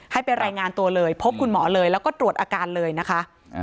ให้ไปรายงานตัวเลยพบคุณหมอเลยแล้วก็ตรวจอาการเลยนะคะ